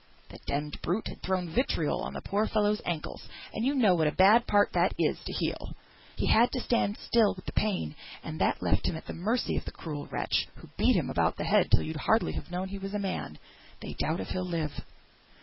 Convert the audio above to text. "The d d brute had thrown vitriol on the poor fellow's ankles, and you know what a bad part that is to heal. He had to stand still with the pain, and that left him at the mercy of the cruel wretch, who beat him about the head till you'd hardly have known he was a man. They doubt if he'll live."